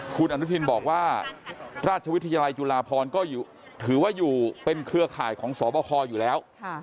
คุณอนุทินบอกว่าราชวิทยาลัยจุฬาพรก็ถือว่าอยู่เป็นเครือข่ายของสบคอยู่แล้ว